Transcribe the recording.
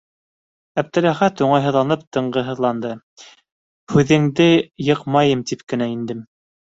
- Әптеләхәт уңайһыҙланып тынғыһыҙланды. - һүҙеңде йыҡмайым тип кенә индем.